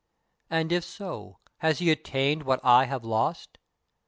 And, if so, has he attained while I have lost?